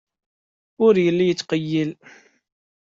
Ur yelli yettqeyyil.